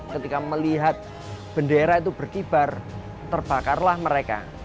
ketika melihat bendera itu berkibar terbakarlah mereka